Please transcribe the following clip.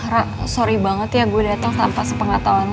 ra sorry banget ya gue dateng tanpa sepengatauan lo